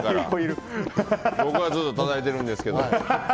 僕はずっとたたいてるんですけど。